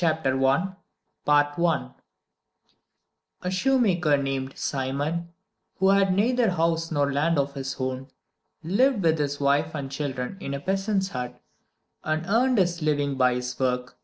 WHAT MEN LIVE BY A shoemaker named Simon, who had neither house nor land of his own, lived with his wife and children in a peasant's hut, and earned his living by his work.